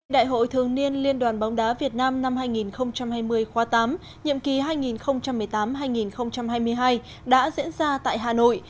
đại hội thường niên liên đoàn bóng đá việt nam năm hai nghìn hai mươi khóa tám nhiệm kỳ hai nghìn một mươi tám hai nghìn hai mươi hai đã diễn ra tại hà nội